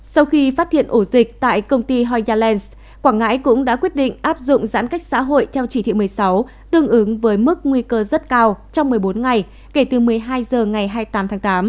sau khi phát hiện ổ dịch tại công ty hoi yalence quảng ngãi cũng đã quyết định áp dụng giãn cách xã hội theo chỉ thị một mươi sáu tương ứng với mức nguy cơ rất cao trong một mươi bốn ngày kể từ một mươi hai h ngày hai mươi tám tháng tám